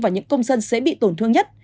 và những công dân sẽ bị tổn thương nhất